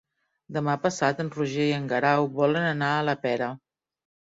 Demà passat en Roger i en Guerau volen anar a la Pera.